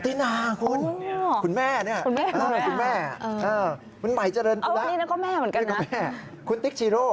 ตีนาคุณคุณแม่คุณหมายเจริญคุณติ๊กชีโร